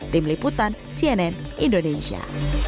tim liputan cnn indonesia